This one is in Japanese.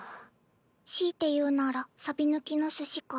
強いて言うならさび抜きの寿司か。